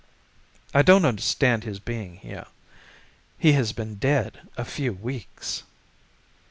I don't understand his being here. He has been dead a few weeks.